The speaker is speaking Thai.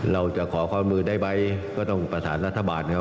เราจะขอข้อมือได้ไหมก็ต้องประสานรัฐบาลนะครับ